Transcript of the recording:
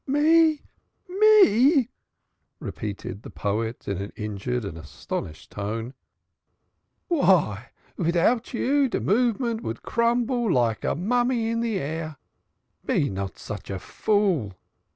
"Me? Me?" repeated the poet in an injured and astonished tone. "Vy midout you de movement vould crumble like a mummy in de air; be not such a fool man.